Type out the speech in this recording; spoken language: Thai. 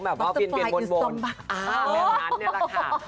แบบว่าเปลี่ยนวนแบบนั้นเนี่ยแหละค่ะ